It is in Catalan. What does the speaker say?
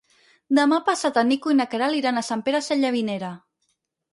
Demà passat en Nico i na Queralt iran a Sant Pere Sallavinera.